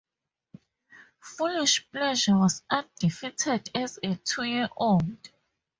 Foolish Pleasure was undefeated as a two-year-old.